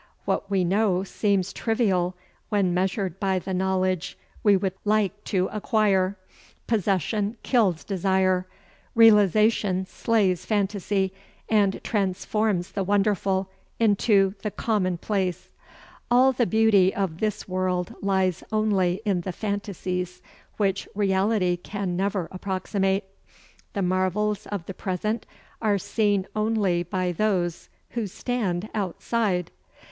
What we know seems trivial when measured by the knowledge we would like to acquire. Possession kills desire; realization slays fantasy and transforms the wonderful into the commonplace. All the beauty of this world lies only in the fantasies which reality can never approximate. The marvels of the present are seen only by those who stand outside.